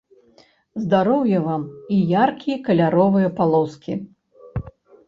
Здароўя вам, і яркі каляровыя палоскі!